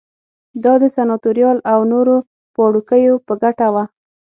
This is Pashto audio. دا د سناتوریال او نورو پاړوکیو په ګټه وه